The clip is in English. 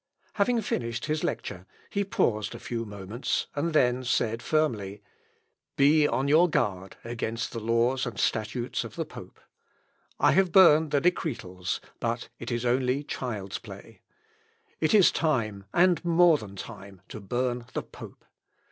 Having finished his lecture, he paused a few moments, and then said firmly, "Be on your guard against the laws and statutes of the pope. I have burned the Decretals, but it is only child's play. It is time, and more than time, to burn the pope.